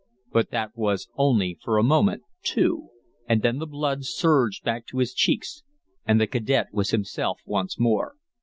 But that was only for a moment, too; and then the blood surged back to his cheeks and the cadet was himself once more.